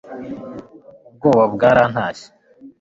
ubwoba bwarantashye